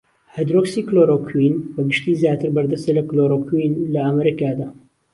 هایدرۆکسی کلۆرۆکوین بەگشتی زیاتر بەردەستە لە کلۆرۆکوین لە ئەمەریکادا.